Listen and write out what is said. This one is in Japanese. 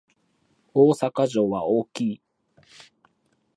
大阪城は大きい